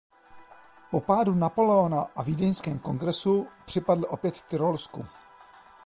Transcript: Po pádu Napoleona a Vídeňském kongresu připadl opět Tyrolsku.